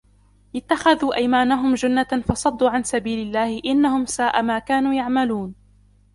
اتَّخَذوا أَيمانَهُم جُنَّةً فَصَدّوا عَن سَبيلِ اللَّهِ إِنَّهُم ساءَ ما كانوا يَعمَلونَ